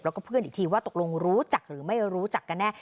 แล้วก็เพื่อนอีกทีว่าตกลงรู้จักหรือไม่รู้จักกันแน่